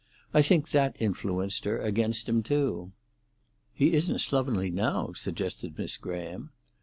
I think that influenced her against him too." "He isn't slovenly now," suggested Miss Graham.